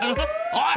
おい！